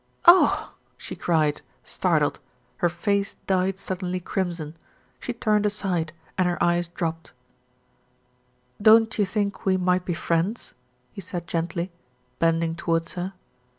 "Oh!" she cried, startled, her face dyed suddenly crimson. She turned aside and her eyes dropped. "Don't you think we might be friends?" he said gently, bending towards her.